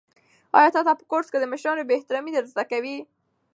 آیا تا ته په کورس کې د مشرانو بې احترامي در زده کوي؟